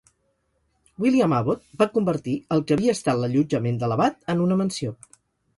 William Abbot va convertir el que havia estat l'allotjament de l'abat en una mansió.